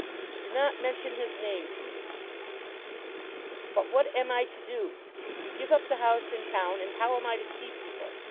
"Do not mention his name to me." "But what am I to do? You give up the house in town, and how am I to see people?